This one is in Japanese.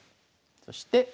そして。